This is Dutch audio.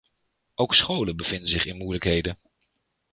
Ook scholen bevinden zich in moeilijkheden.